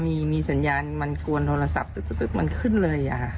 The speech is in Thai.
มีมีสัญญาณมันกวนโทรศัพท์มันขึ้นเลยอะค่ะ